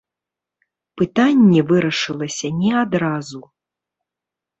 Пытанне вырашылася не адразу.